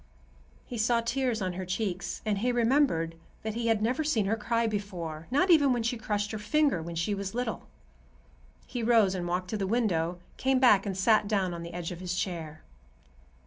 He saw tears on her cheeks, and he remembered that he had never seen her cry before, not even when she crushed her finger when she was little. He rose and walked to the window, came back and sat down on the edge of his chair.